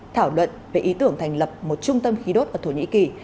thảo luận về ý tưởng thành lập một trung tâm khí đốt ở thổ nhĩ kỳ